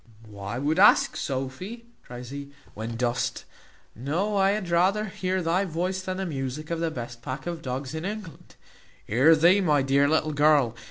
"Why wout ask, Sophy?" cries he, "when dost know I had rather hear thy voice than the musick of the best pack of dogs in England. Hear thee, my dear little girl!